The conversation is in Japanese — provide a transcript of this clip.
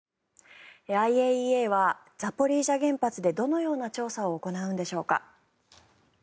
ＩＡＥＡはザポリージャ原発でどのような調査を行うんでしょうか。